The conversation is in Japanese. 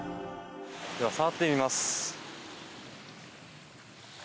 では、触ってみます。